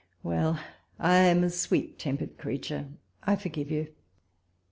Well ! I am a sweet teinperod creature, I forgive you.